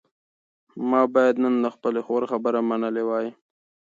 ما باید نن د خپلې خور خبره منلې وای.